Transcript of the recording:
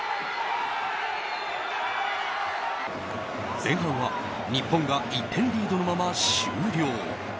前半は日本が１点リードのまま終了。